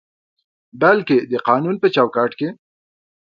بلکې د قانون په چوکاټ کې